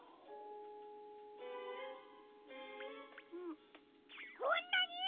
んこんなに！？